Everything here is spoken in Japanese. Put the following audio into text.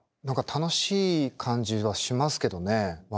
何か楽しい感じはしますけどね。